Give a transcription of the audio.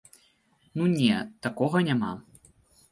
Ну не, такога няма.